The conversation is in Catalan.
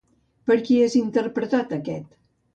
Per qui és interpretat aquest?